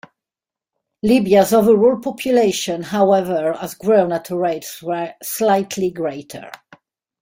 Libya's overall population, however, has grown at a rate slightly greater.